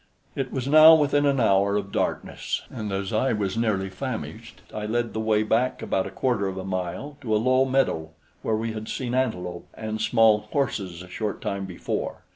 It was now within an hour of darkness, and as I was nearly famished, I led the way back about a quarter of a mile to a low meadow where we had seen antelope and small horses a short time before.